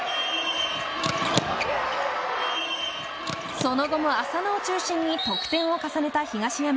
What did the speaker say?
その後も麻野を中心に得点を重ねた東山。